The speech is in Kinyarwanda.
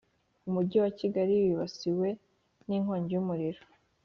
Umujyi wa Kigali wibasiwe n’ inkonjyi y’umuriro